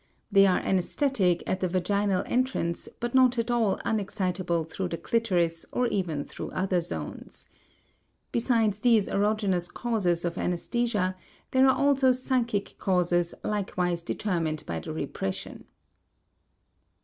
They are anesthetic at the vaginal entrance but not at all unexcitable through the clitoris or even through other zones. Besides these erogenous causes of anesthesia there are also psychic causes likewise determined by the repression.